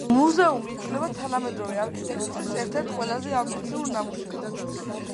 მუზეუმი ითვლება თანამედროვე არქიტექტურის ერთ-ერთ ყველაზე ამბიციურ ნამუშევრად.